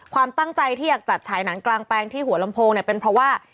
ความตั้งใจที่อยากจัดฉายหนังกลางแปลงที่หัวลำโพงเนี่ยเป็นเพราะว่า